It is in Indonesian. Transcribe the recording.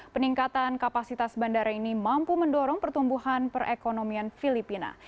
peningkatan kapasitas bandara ini mampu mendorong pertumbuhan perekonomian filipina